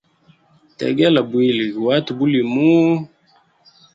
Tegela bwili guhate bulimuhu.